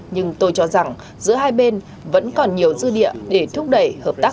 nhưng tôi cho rằng giữa hai bên vẫn còn nhiều dư địa để thúc đẩy hợp tác